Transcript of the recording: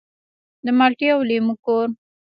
د مالټې او لیمو کور.